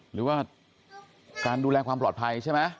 หรือว่าการดูแลความปลอดภัยใช่ไหม